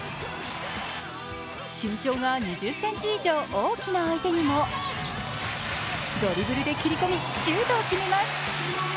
身長が２０ｃｍ以上大きな相手にもドリブルで切り込みシュートを決めます。